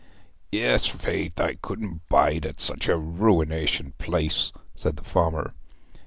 'Yes, faith! I couldn't bide at such a ruination place,' said the farmer.